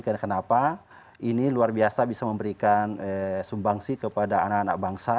karena kenapa ini luar biasa bisa memberikan sumbangsi kepada anak anak bangsa